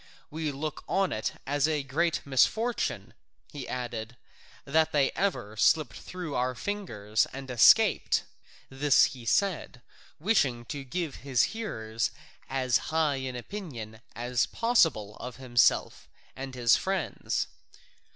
We look on it as a great misfortune," he added, "that they ever slipped through our fingers and escaped." (This he said, wishing to give his hearers as high an opinion as possible of himself and his friends.)